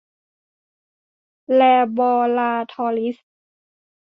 แลบอราทอรีส์